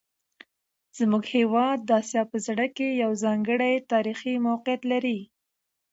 زموږ هیواد د اسیا په زړه کې یو ځانګړی تاریخي موقعیت لري.